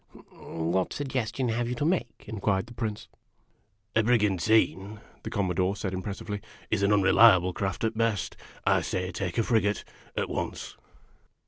" What suggestion have you to make?" inquired the Prince. " A brigantine," the Commodore said impressively, " is an unre liable craft at best. I say, take a frigate, at once."